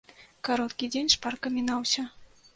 Кароткі дзень шпарка мінаўся.